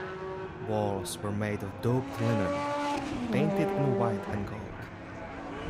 Walls were made of doped linen painted in white and gold.